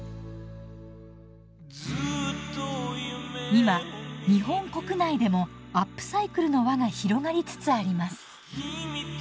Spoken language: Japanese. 今日本国内でもアップサイクルの輪が広がりつつあります。